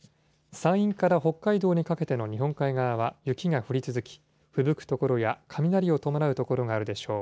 山陰から北海道にかけての日本海側は雪が降り続き、ふぶく所や雷を伴う所があるでしょう。